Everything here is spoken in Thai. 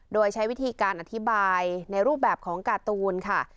โดยใช้วิธีการอธิบายในรูปแบบของการ์ตูนค่ะ